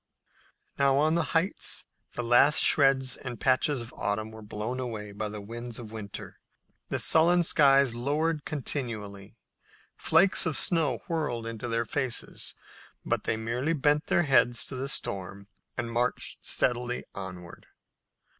Now on the heights the last shreds and patches of autumn were blown away by the winds of winter. The sullen skies lowered continually. Flakes of snow whirled into their faces, but they merely bent their heads to the storm and marched steadily onward.